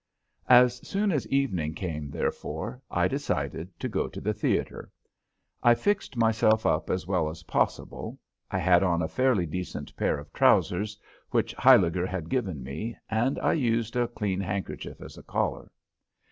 As soon as evening came, therefore, I decided to go to the theater. I fixed myself up as well as possible. I had on a fairly decent pair of trousers which Huyliger had given me and I used a clean handkerchief as a collar.